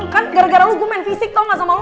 kan gara gara lu gue main fisik tau gak sama lo